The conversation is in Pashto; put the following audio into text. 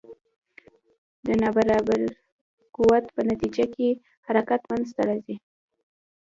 د نا برابر قوت په نتیجه کې حرکت منځته راځي.